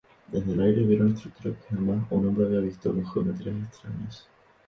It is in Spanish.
Desde el aire vieron estructuras que jamás un hombre había visto, con geometrías extrañas.